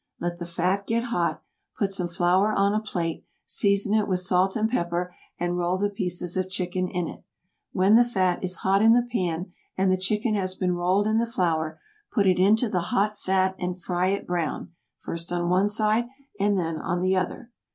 Let the fat get hot, put some flour on a plate, season it with salt and pepper, and roll the pieces of chicken in it. When the fat is hot in the pan and the chicken has been rolled in the flour, put it into the hot fat and fry it brown, first on one side and then on the other.